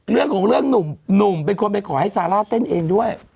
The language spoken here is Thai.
เรื่องของเรื่องหนุ่มเป็นคนไปขอให้ซาร่าเต้นเองด้วย